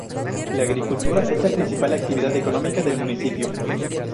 La agricultura es la principal actividad económica del municipio.